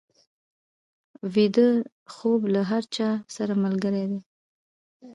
ویده خوب له هر چا سره ملګری دی